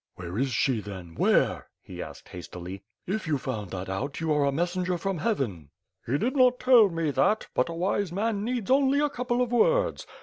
"Where is she then? Where?" he asked hastily. "If you found out that, you are a messenger from heaven." "He did not tell me that, but a wise man needs only a couple of words.